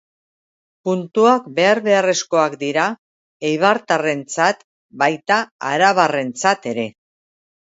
Puntuak behar beharrezkoak dira eibartarrentzat, baita arabarrentzat ere.